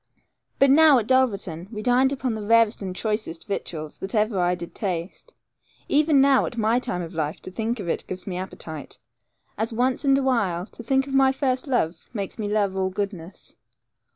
But now, at Dulverton, we dined upon the rarest and choicest victuals that ever I did taste. Even now, at my time of life, to think of it gives me appetite, as once and awhile to think of my first love makes me love all goodness.